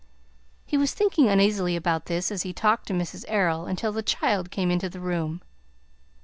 He was thinking uneasily about this as he talked to Mrs. Errol until the child came into the room.